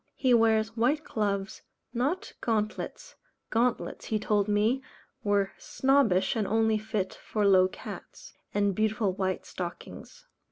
He wears white gloves, not gauntlets gauntlets, he told me, were snobbish, and only fit for low cats and beautiful white stockings.